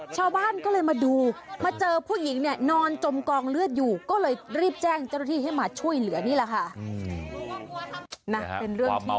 ชาวบ้านก็เลยมาดูมาเจอผู้หญิงเนี่ยนอนจมกองเลือดอยู่ก็เลยรีบแจ้งเจ้าหน้าที่ให้มาช่วยเหลือนี่แหละค่ะ